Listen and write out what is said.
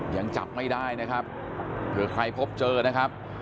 ยังจับไม่ได้นะครับเผื่อใครพบเจอนะครับ